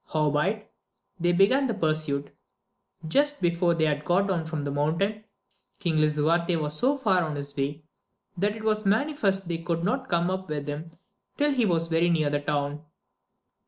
Howbeit, they began the pursuit, but before they had got down from the mountain. King Lisuarte was so far on his way, that it was manifest they could not come up with him till he was very near the town.